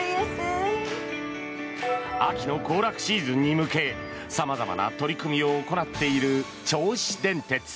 秋の行楽シーズンに向け様々な取り組みを行っている銚子電鉄。